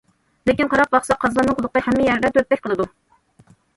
لېكىن قاراپ باقساق قازاننىڭ قۇلىقى ھەممە يەردە تۆتتەك قىلىدۇ.